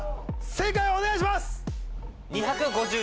正解をお願いします。